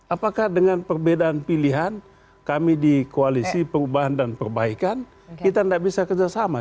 apakah dengan perbedaan pilihan kami di koalisi perubahan dan perbaikan kita tidak bisa kerjasama